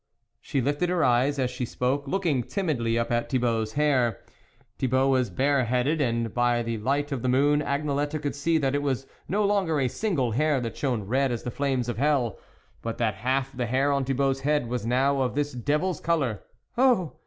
..." She lifted her eyes as she spoke, looking timidly up at Thibault's hair. Thibault was bare headed, and, by the light of the moon Agnelette could see that it was no longer a single hair that shone red as the flames of hell, but that half the hair on Thibault's head was now of this devil's colour. " Oh